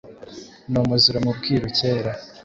Ni umuziro mu Bwiru kera :